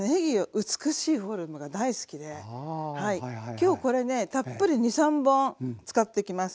今日これねたっぷり２３本使ってきます。